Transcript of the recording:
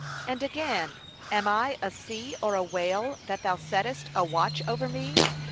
And again, 'Am I a sea, or a whale, that thou settest a watch over me?